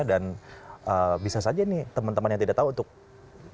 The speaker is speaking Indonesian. dan bisa saja nih teman teman yang tidak tahu untuk kesana